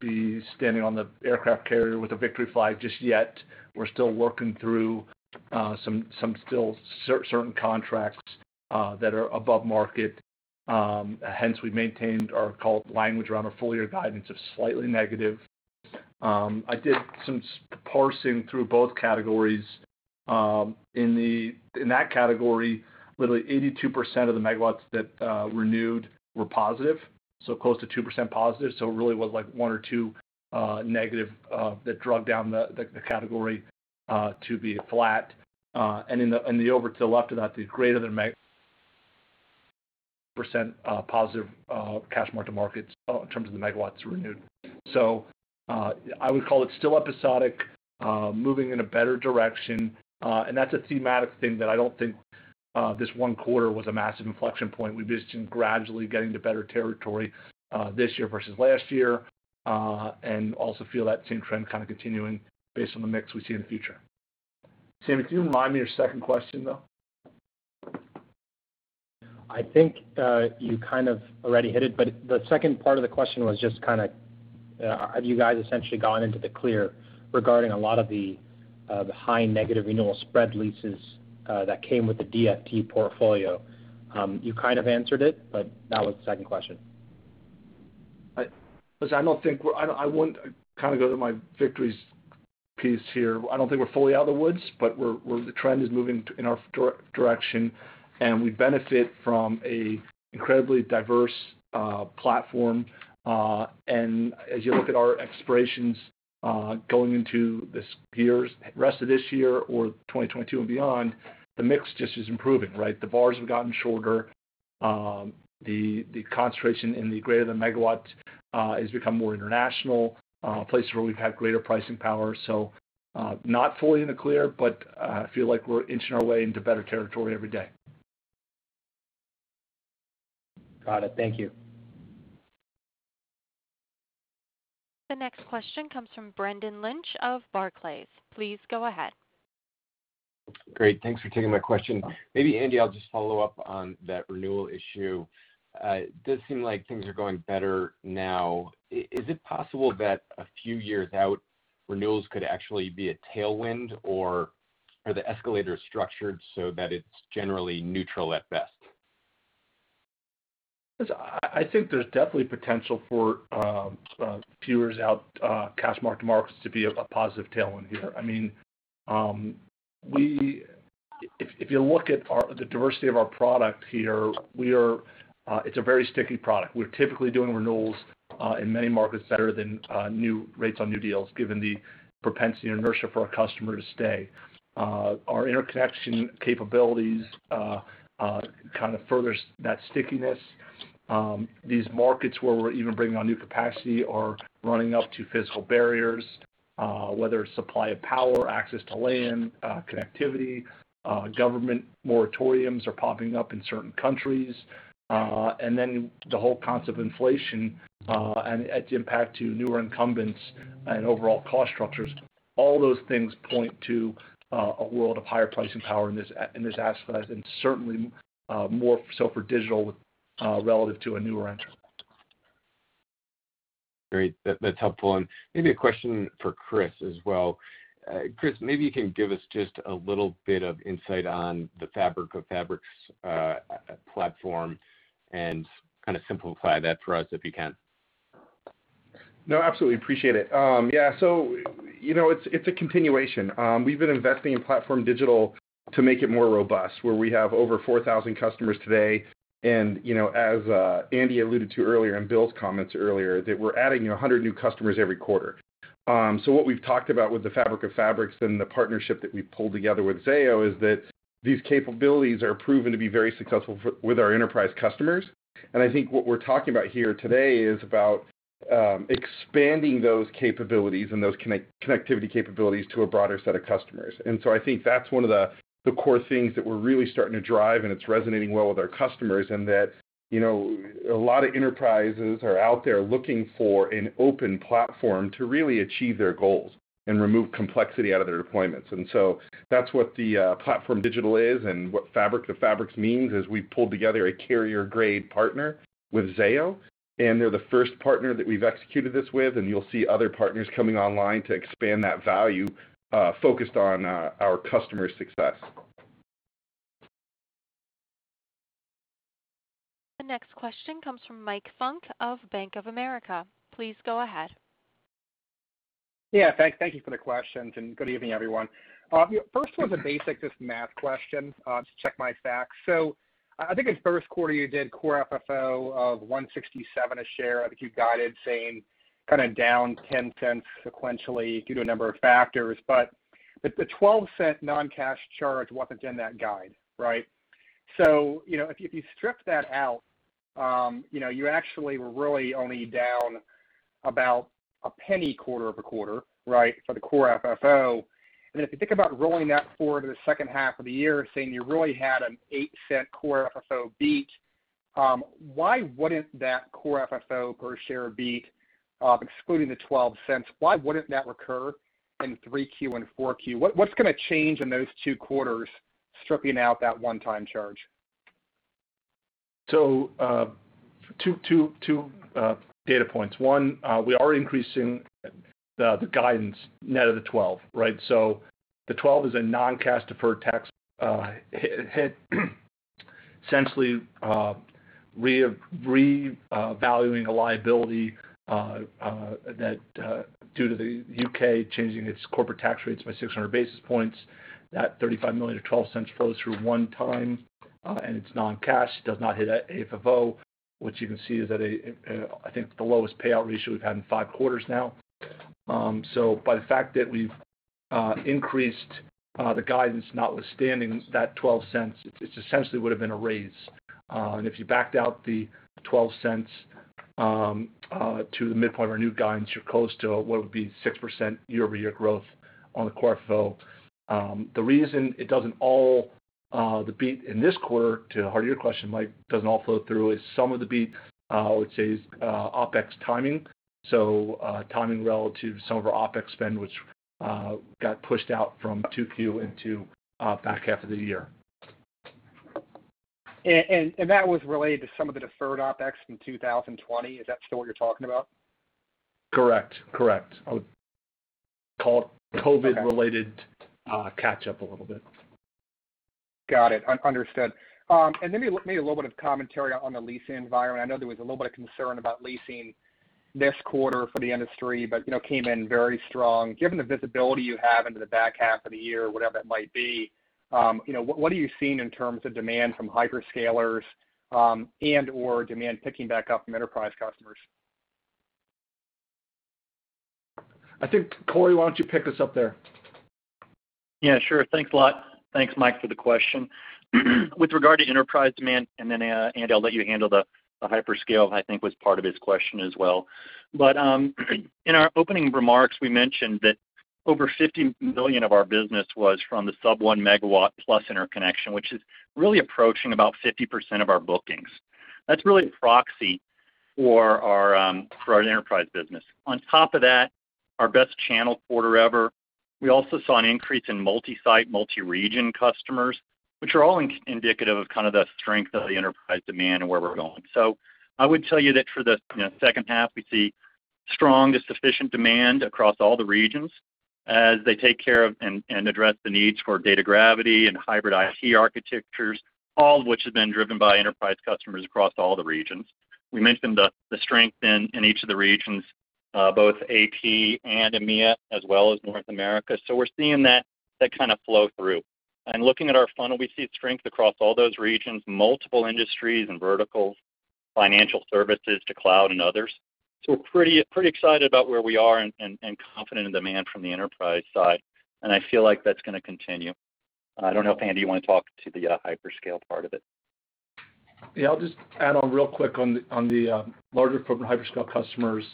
be standing on the aircraft carrier with a victory flag just yet. We're still working through certain contracts that are above market. Hence, we maintained our language around our full-year guidance of slightly negative. I did some parsing through both categories. In that category, literally 82% of the megawatts that renewed were positive, so close to 2% positive. It really was like one or two negative that drug down the category to be flat. In the over to the left of that, the greater than a meg percent positive cash margin markets in terms of the megawatts renewed. I would call it still episodic, moving in a better direction. That's a thematic thing that I don't think this one quarter was a massive inflection point. We've just been gradually getting to better territory this year versus last year. Also feel that same trend kind of continuing based on the mix we see in the future. Sami, could you remind me your second question, though? I think you kind of already hit it. The second part of the question was just kind of have you guys essentially gone into the clear regarding a lot of the high negative renewal spread leases that came with the DFT portfolio? You kind of answered it. That was the second question. Listen, I kind of go to my victories piece here. I don't think we're fully out of the woods, but the trend is moving in our direction, we benefit from a incredibly diverse platform. As you look at our expirations going into the rest of this year or 2022 and beyond, the mix just is improving, right? The bars have gotten shorter. The concentration in the greater than a megawatt has become more international, places where we've had greater pricing power. Not fully in the clear, but I feel like we're inching our way into better territory every day. Got it. Thank you. The next question comes from Brendan Lynch of Barclays. Please go ahead. Great. Thanks for taking my question. Maybe Andy, I'll just follow up on that renewal issue. It does seem like things are going better now. Is it possible that a few years out, renewals could actually be a tailwind, or are the escalators structured so that it's generally neutral at best? Listen, I think there's definitely potential for few years out cash marked markets to be a positive tailwind here. If you look at the diversity of our product here, it's a very sticky product. We're typically doing renewals in many markets better than rates on new deals, given the propensity and inertia for our customer to stay. Our interconnection capabilities kind of furthers that stickiness. These markets where we're even bringing on new capacity are running up to physical barriers, whether it's supply of power, access to land, connectivity, government moratoriums are popping up in certain countries. Then the whole concept of inflation, and its impact to newer incumbents and overall cost structures. All those things point to a world of higher pricing power in this aspect, and certainly more so for Digital Realty relative to a newer entrant. Great. That's helpful. Maybe a question for Chris as well. Chris, maybe you can give us just a little bit of insight on the fabric-of-fabrics platform and kind of simplify that for us if you can. No, absolutely. Appreciate it. It's a continuation. We've been investing in PlatformDIGITAL to make it more robust, where we have over 4,000 customers today. As Andy alluded to earlier and Bill's comments earlier, that we're adding 100 new customers every quarter. What we've talked about with the fabric-of-fabrics and the partnership that we've pulled together with Zayo is that these capabilities are proven to be very successful with our enterprise customers. I think what we're talking about here today is about expanding those capabilities and those connectivity capabilities to a broader set of customers. I think that's one of the core things that we're really starting to drive, and it's resonating well with our customers in that a lot of enterprises are out there looking for an open platform to really achieve their goals and remove complexity out of their deployments. That's what the PlatformDIGITAL is and what fabric-of-fabrics means, is we've pulled together a carrier-grade partner with Zayo. They're the first partner that we've executed this with, and you'll see other partners coming online to expand that value focused on our customers' success. The next question comes from Michael Funk of Bank of America. Please go ahead. Thank you for the questions, and good evening, everyone. First one's a basic just math question to check my facts. I think it's first quarter you did Core FFO of $1.67 a share. I think you guided saying down $0.10 sequentially due to a number of factors. But the $0.12 non-cash charge wasn't in that guide, right? If you strip that out, you actually were really only down about $0.01 quarter-over-quarter, right, for the Core FFO. If you think about rolling that forward to the second half of the year, saying you really had an $0.08 Core FFO beat. Why wouldn't that Core FFO per share beat, excluding the $0.12, why wouldn't that recur in 3Q and 4Q? What's going to change in those two quarters stripping out that one-time charge? Two data points. One, we are increasing the guidance net of the 12, right? The 12 is a non-cash deferred tax hit. Essentially revaluing a liability, that due to the U.K. changing its corporate tax rates by 600 basis points, that $35 million or $0.12 flows through one time, and it's non-cash. It does not hit FFO. What you can see is that I think the lowest payout ratio we've had in five quarters now. By the fact that we've increased the guidance notwithstanding that $0.12, it essentially would've been a raise. If you backed out the $0.12 to the midpoint of our new guidance, you're close to what would be 6% year-over-year growth on the Core FFO. The reason it doesn't all the beat in this quarter, to the heart of your question, Mike, doesn't all flow through is some of the beat I would say is OpEx timing, so timing relative to some of our OpEx spend, which got pushed out from 2Q into back half of the year. That was related to some of the deferred OpEx from 2020. Is that still what you're talking about? Correct. I would call it COVID-related catch-up a little bit. Got it. Understood. Maybe a little bit of commentary on the leasing environment. I know there was a little bit of concern about leasing this quarter for the industry, but came in very strong. Given the visibility you have into the back half of the year, whatever it might be, what are you seeing in terms of demand from hyperscalers, and/or demand picking back up from enterprise customers? I think, Corey, why don't you pick us up there? Yeah, sure. Thanks a lot. Thanks, Mike, for the question. With regard to enterprise demand, Andy, I'll let you handle the hyperscale, I think was part of his question as well. In our opening remarks, we mentioned that over $50 million of our business was from the sub 1 megawatt plus interconnection, which is really approaching about 50% of our bookings. That's really a proxy for our enterprise business. On top of that, our best channel quarter ever. We also saw an increase in multi-site, multi-region customers, which are all indicative of the strength of the enterprise demand and where we're going. I would tell you that for the second half, we see strong to sufficient demand across all the regions as they take care of and address the needs for data gravity and hybrid IT architectures, all of which has been driven by enterprise customers across all the regions. We mentioned the strength in each of the regions, both AP and EMEA, as well as North America. Looking at our funnel, we see strength across all those regions, multiple industries and verticals, financial services to cloud and others. We're pretty excited about where we are and confident in demand from the enterprise side, and I feel like that's going to continue. I don't know if, Andy, you want to talk to the hyperscale part of it. Yeah. I'll just add on real quick on the larger hyperscale customers.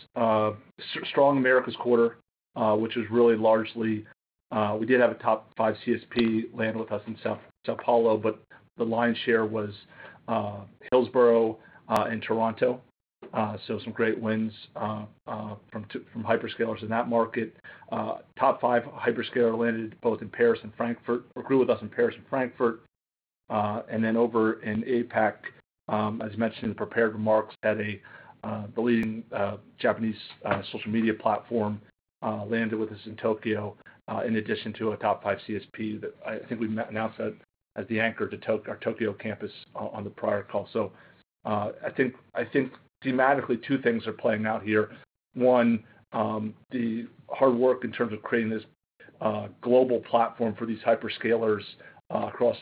Strong Americas quarter, which was really largely, we did have a top five CSP land with us in São Paulo, but the lion's share was Hillsboro and Toronto. Some great wins from hyperscalers in that market. Top five hyperscaler landed both in Paris and Frankfurt, or grew with us in Paris and Frankfurt. Over in APAC, as mentioned in prepared remarks, had a leading Japanese social media platform landed with us in Tokyo, in addition to a top five CSP that I think we announced that as the anchor to our Tokyo campus on the prior call. I think thematically two things are playing out here. The hard work in terms of creating this global platform for these hyperscalers across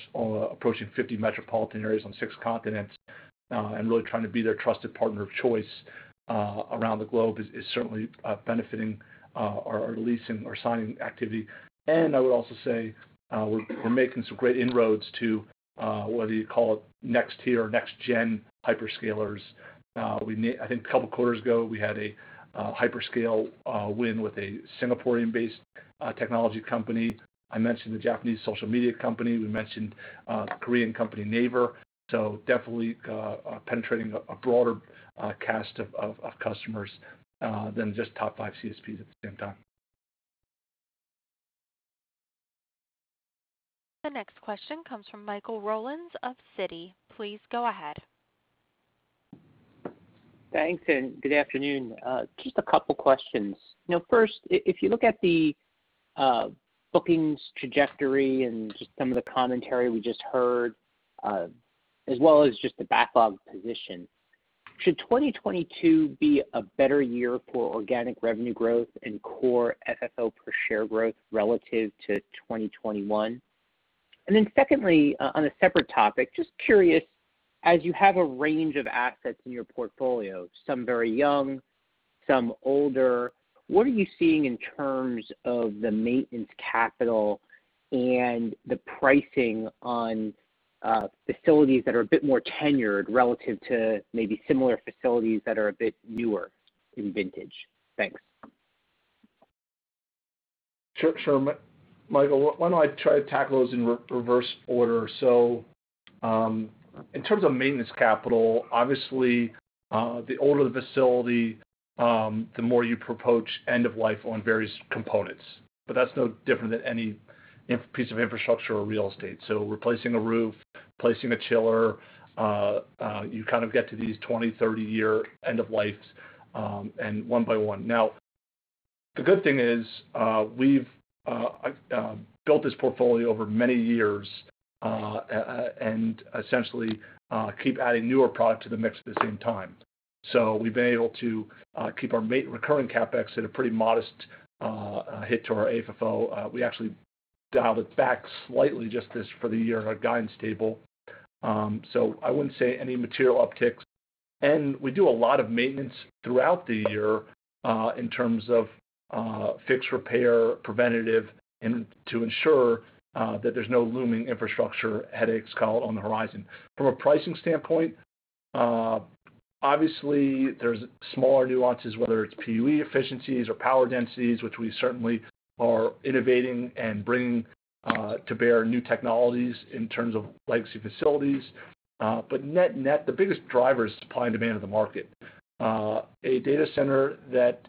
approaching 50 metropolitan areas on six continents, and really trying to be their trusted partner of choice around the globe is certainly benefiting our leasing or signing activity. I would also say we're making some great inroads to whether you call it next tier or next gen hyperscalers. I think a couple of quarters ago, we had a hyperscale win with a Singaporean-based technology company. I mentioned the Japanese social media company. We mentioned Korean company Naver. Definitely penetrating a broader cast of customers than just top five CSPs at the same time. The next question comes from Michael Rollins of Citi. Please go ahead. Thanks. Good afternoon. Just a couple questions. First, if you look at the bookings trajectory and just some of the commentary we just heard, as well as just the backlog position, should 2022 be a better year for organic revenue growth and Core FFO per share growth relative to 2021? Secondly, on a separate topic, just curious, as you have a range of assets in your portfolio, some very young, some older, what are you seeing in terms of the maintenance capital and the pricing on facilities that are a bit more tenured relative to maybe similar facilities that are a bit newer in vintage? Thanks. Sure. Michael, why don't I try to tackle those in reverse order? In terms of maintenance capital, obviously, the older the facility, the more you approach end of life on various components. That's no different than any piece of infrastructure or real estate. Replacing a roof, replacing a chiller, you kind of get to these 20, 30-year end of life and one by one. The good thing is, we've built this portfolio over many years, and essentially keep adding newer product to the mix at the same time. We've been able to keep our recurring CapEx at a pretty modest hit to our AFFO. We actually dialed it back slightly just this for the year in our guidance table. I wouldn't say any material upticks. We do a lot of maintenance throughout the year, in terms of fix, repair, preventative, and to ensure that there's no looming infrastructure headaches on the horizon. From a pricing standpoint, obviously there's smaller nuances, whether it's PUE efficiencies or power densities, which we certainly are innovating and bringing to bear new technologies in terms of legacy facilities. Net, the biggest driver is supply and demand of the market. A data center that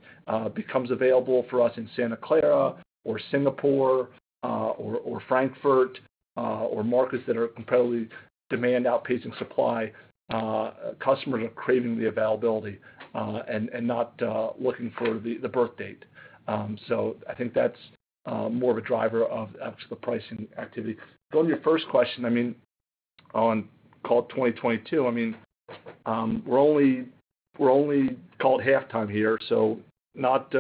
becomes available for us in Santa Clara or Singapore or Frankfurt, or markets that are competitively demand outpacing supply, customers are craving the availability, and not looking for the build date. I think that's more of a driver of actual pricing activity. To go to your first question on call 2022, we're only call it halftime here, so not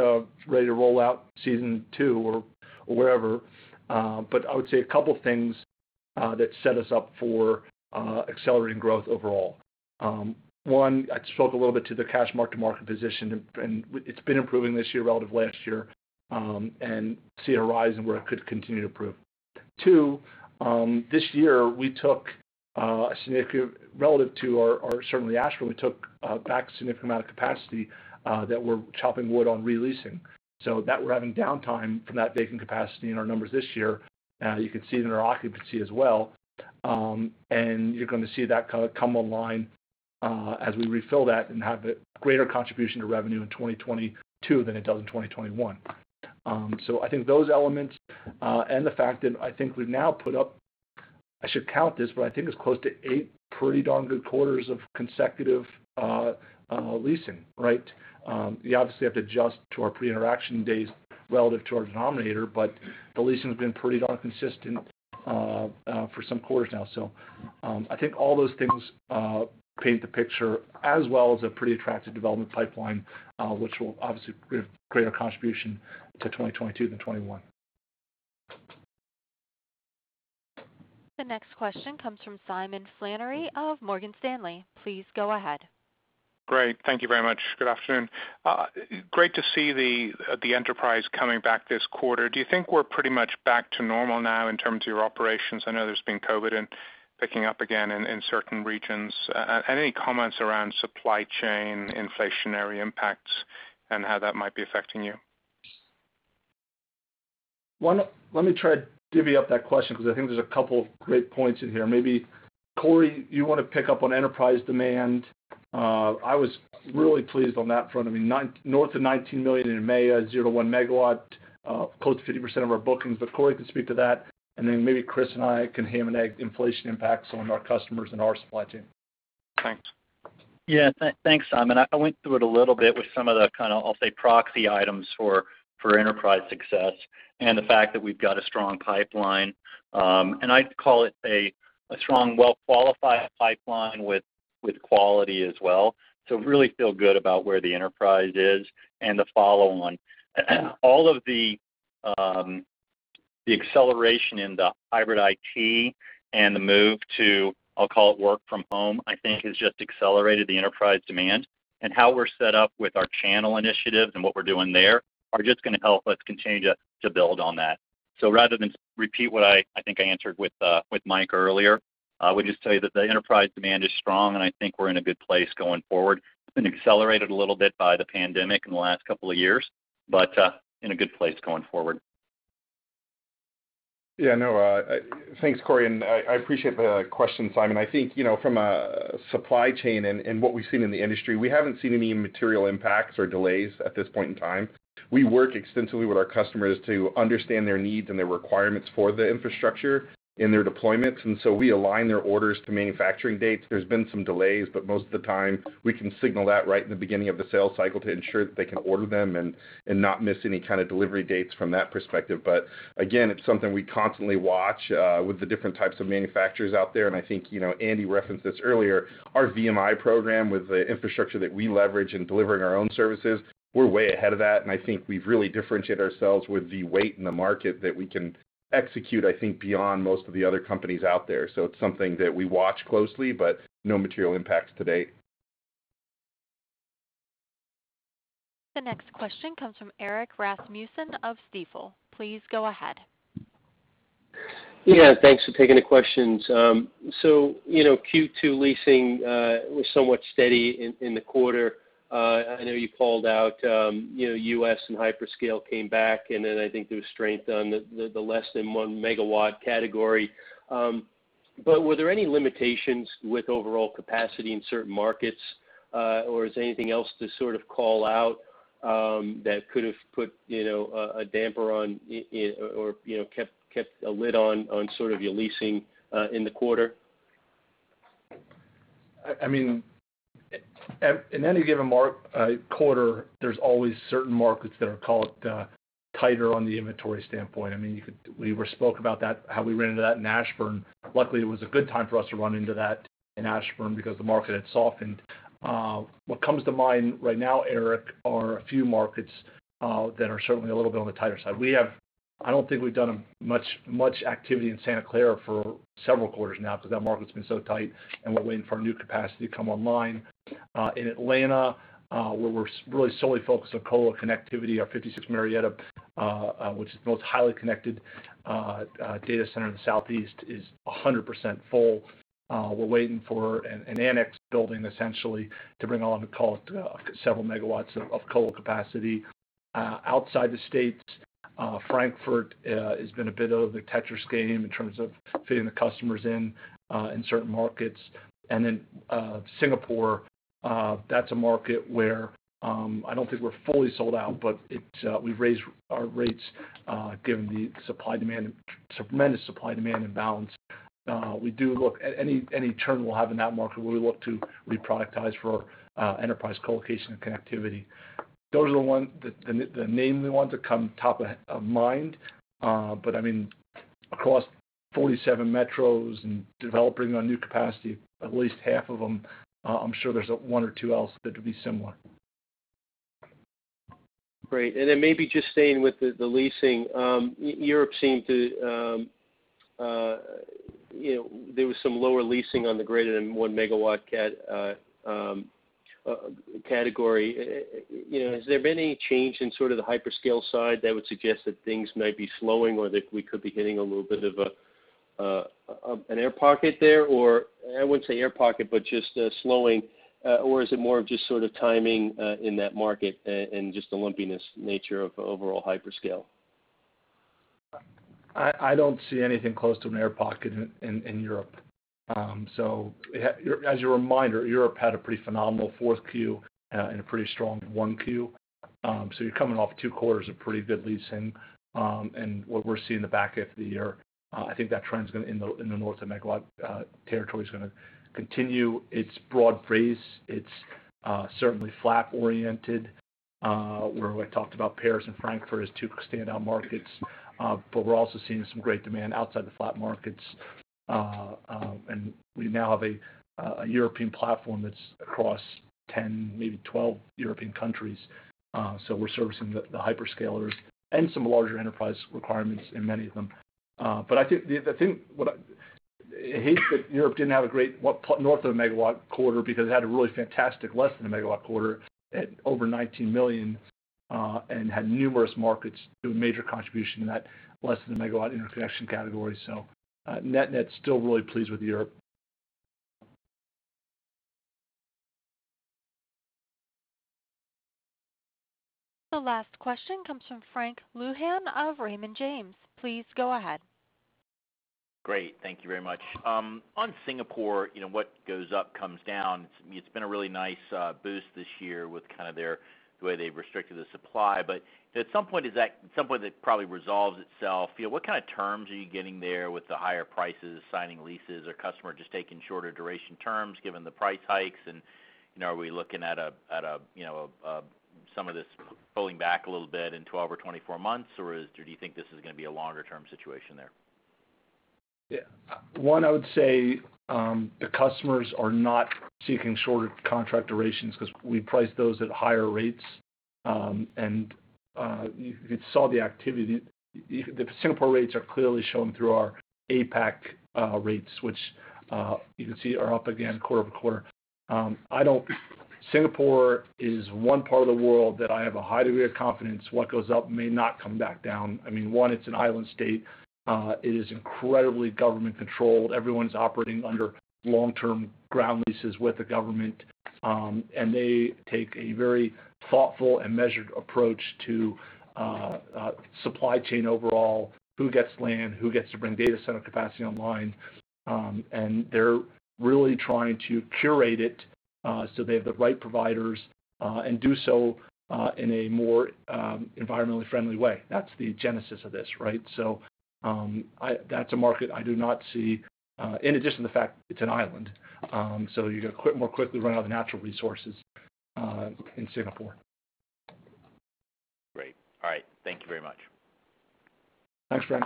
ready to roll out season two or wherever. I would say a couple things that set us up for accelerating growth overall. One. I spoke a little bit to the cash mark-to-market position, and it's been improving this year relative to last year, and see it rise and where it could continue to improve. Two. This year we took a significant, relative to our certainly asset base, we took back a significant amount of capacity that we're chopping wood on releasing. That we're having downtime from that vacant capacity in our numbers this year. You can see it in our occupancy as well. You're going to see that come online as we refill that and have a greater contribution to revenue in 2022 than it does in 2021. I think those elements, and the fact that I think we've now put up, I should count this, but I think it's close to eight pretty darn good quarters of consecutive leasing, right? You obviously have to adjust to our pre-Interxion days relative to our denominator, but the leasing's been pretty darn consistent for some quarters now. I think all those things paint the picture as well as a pretty attractive development pipeline, which will obviously be a greater contribution to 2022 than 2021. The next question comes from Simon Flannery of Morgan Stanley. Please go ahead. Great. Thank you very much. Good afternoon. Great to see the enterprise coming back this quarter. Do you think we're pretty much back to normal now in terms of your operations? I know there's been COVID and picking up again in certain regions. Any comments around supply chain inflationary impacts and how that might be affecting you? Why not let me try to divvy up that question, because I think there's a couple great points in here. Maybe Corey, you want to pick up on enterprise demand. I was really pleased on that front. North of $19 million in May at 0 to 1 megawatt, close to 50% of our bookings, but Corey can speak to that. Maybe Chris and I can ham and egg inflation impacts on our customers and our supply chain. Thanks. Yeah. Thanks, Simon. I went through it a little bit with some of the kind of, I'll say, proxy items for enterprise success and the fact that we've got a strong pipeline. I'd call it a strong, well-qualified pipeline with quality as well. Really feel good about where the enterprise is and the follow on. All of the acceleration in the hybrid IT and the move to, I'll call it work from home, I think has just accelerated the enterprise demand. How we're set up with our channel initiatives and what we're doing there are just going to help us continue to build on that. Rather than repeat what I think I answered with Mike earlier, I would just tell you that the enterprise demand is strong, and I think we're in a good place going forward. It's been accelerated a little bit by the pandemic in the last couple of years, but in a good place going forward. No. Thanks, Corey, and I appreciate the question, Simon. I think from a supply chain and what we've seen in the industry, we haven't seen any material impacts or delays at this point in time. We work extensively with our customers to understand their needs and their requirements for the infrastructure in their deployments, we align their orders to manufacturing dates. There's been some delays, most of the time we can signal that right in the beginning of the sales cycle to ensure that they can order them and not miss any kind of delivery dates from that perspective. Again, it's something we constantly watch with the different types of manufacturers out there. I think Andrew Power referenced this earlier, our VMI program with the infrastructure that we leverage in delivering our own services, we're way ahead of that, and I think we've really differentiated ourselves with the weight in the market that we can execute, I think, beyond most of the other companies out there. It's something that we watch closely, but no material impacts to date. The next question comes from Erik Rasmussen of Stifel. Please go ahead. Yeah, thanks for taking the questions. Q2 leasing was somewhat steady in the quarter. I know you called out U.S. and hyperscale came back, I think there was strength on the less than one megawatt category. Were there any limitations with overall capacity in certain markets? Is there anything else to sort of call out that could have put a damper on or kept a lid on your leasing in the quarter? In any given quarter, there's always certain markets that are called tighter on the inventory standpoint. We spoke about that, how we ran into that in Ashburn. Luckily, it was a good time for us to run into that in Ashburn because the market had softened. What comes to mind right now, Erik, are a few markets that are certainly a little bit on the tighter side. I don't think we've done much activity in Santa Clara for several quarters now because that market's been so tight, and we're waiting for our new capacity to come online. In Atlanta, where we're really solely focused on colo connectivity, our 56 Marietta, which is the most highly connected data center in the southeast, is 100% full. We're waiting for an annex building essentially to bring on several MW of colo capacity. Outside the States, Frankfurt has been a bit of the Tetris game in terms of fitting the customers in in certain markets. Singapore, that's a market where I don't think we're fully sold out, but we've raised our rates given the tremendous supply-demand imbalance. Any churn we'll have in that market, we look to re-productize for enterprise colocation and connectivity. Those are the mainly ones that come top of mind. Across 47 metros and developing our new capacity, at least half of them, I'm sure there's one or two else that would be similar. Great. Maybe just staying with the leasing, there was some lower leasing on the greater than 1 megawatt category. Has there been any change in the hyperscale side that would suggest that things might be slowing or that we could be hitting a little bit of an air pocket there? I wouldn't say air pocket, but just a slowing. Is it more of just sort of timing in that market and just the lumpiness nature of overall hyperscale? I don't see anything close to an air pocket in Europe. As a reminder, Europe had a pretty phenomenal 4Q and a pretty strong 1Q. You're coming off two quarters of pretty good leasing. What we're seeing in the back half of the year, I think that trend in the north of megawatt territory is going to continue. It's broad-based. It's certainly FLAP oriented, where I talked about Paris and Frankfurt as two standout markets. We're also seeing some great demand outside the FLAP markets. We now have a European platform that's across 10, maybe 12 European countries. We're servicing the hyperscalers and some larger enterprise requirements in many of them. I think, hate that Europe didn't have a great north of 1 megawatt quarter because it had a really fantastic less than 1 megawatt quarter at over $19 million and had numerous markets do a major contribution in that less than 1 megawatt interconnection category. Net-net, still really pleased with Europe. The last question comes from Frank Louthan of Raymond James. Please go ahead. Great. Thank you very much. On Singapore, what goes up, comes down. It's been a really nice boost this year with the way they've restricted the supply. At some point, that probably resolves itself. What kind of terms are you getting there with the higher prices, signing leases? Are customers just taking shorter duration terms given the price hikes? Are we looking at some of this pulling back a little bit in 12 or 24-months, or do you think this is going to be a longer-term situation there? One, I would say the customers are not seeking shorter contract durations because we price those at higher rates. You saw the activity. The Singapore rates are clearly shown through our APAC rates, which you can see are up again quarter-over-quarter. Singapore is one part of the world that I have a high degree of confidence what goes up may not come back down. One, it's an island state. It is incredibly government-controlled. Everyone's operating under long-term ground leases with the government. They take a very thoughtful and measured approach to supply chain overall, who gets land, who gets to bring data center capacity online. They're really trying to curate it so they have the right providers and do so in a more environmentally friendly way. That's the genesis of this, right? That's a market I do not see, in addition to the fact it's an island, so you're going to more quickly run out of natural resources in Singapore. Great. All right. Thank you very much. Thanks, Frank.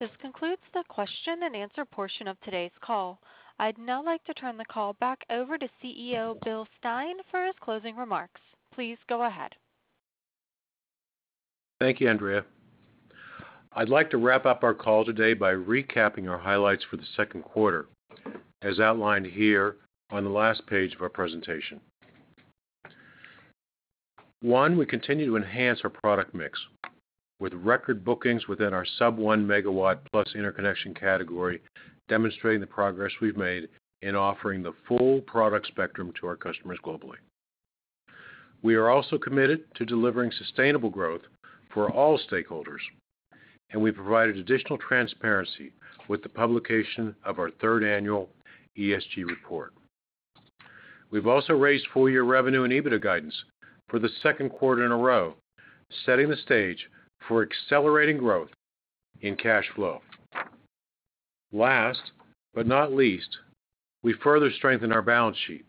This concludes the question-and-answer portion of today's call. I'd now like to turn the call back over to CEO Bill Stein for his closing remarks. Please go ahead. Thank you, Andrea. I'd like to wrap up our call today by recapping our highlights for the second quarter, as outlined here on the last page of our presentation. One, we continue to enhance our product mix with record bookings within our sub 1 megawatt plus interconnection category, demonstrating the progress we've made in offering the full product spectrum to our customers globally. We are also committed to delivering sustainable growth for all stakeholders. We provided additional transparency with the publication of our third annual ESG report. We've also raised full year revenue and EBITDA guidance for the second quarter in a row, setting the stage for accelerating growth in cash flow. Last but not least, we further strengthen our balance sheet,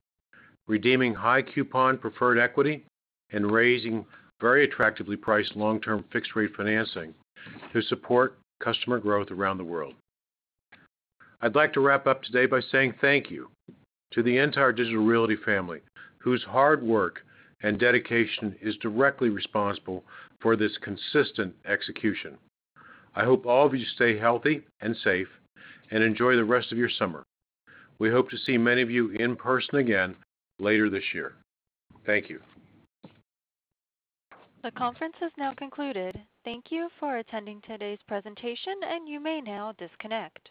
redeeming high coupon preferred equity, raising very attractively priced long-term fixed rate financing to support customer growth around the world. I'd like to wrap up today by saying thank you to the entire Digital Realty family, whose hard work and dedication is directly responsible for this consistent execution. I hope all of you stay healthy and safe, and enjoy the rest of your summer. We hope to see many of you in person again later this year. Thank you. The conference has now concluded. Thank you for attending today's presentation, and you may now disconnect.